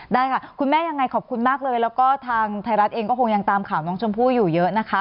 ได้ค่ะคุณแม่ยังไงขอบคุณมากเลยแล้วก็ทางไทยรัฐเองก็คงยังตามข่าวน้องชมพู่อยู่เยอะนะคะ